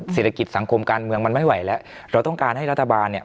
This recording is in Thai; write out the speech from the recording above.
เศรษฐกิจสังคมการเมืองมันไม่ไหวแล้วเราต้องการให้รัฐบาลเนี่ย